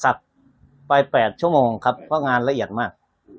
ไป๘ชั่วโมงครับเพราะงานละเอียดมาก